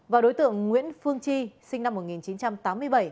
và đối tượng nguyễn phương chi sinh năm một nghìn chín trăm tám mươi bảy